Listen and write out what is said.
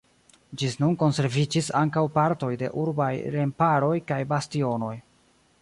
Ĝis nun konserviĝis ankaŭ partoj de urbaj remparoj kaj bastionoj.